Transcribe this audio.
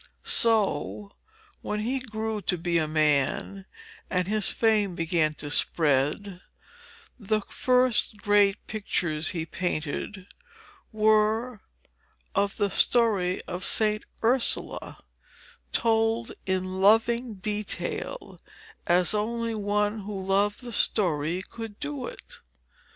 So, when he grew to be a man, and his fame began to spread, the first great pictures he painted were of the story of St. Ursula, told in loving detail, as only one who loved the story could do it.